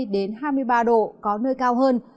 đến hai mươi ba độ có nơi cao hơn